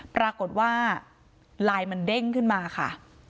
ปรากฏว่าไลน์มันเด้งขึ้นมาค่ะ